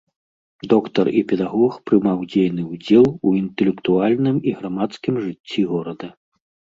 Доктар і педагог прымаў дзейны ўдзел у інтэлектуальным і грамадскім жыцці горада.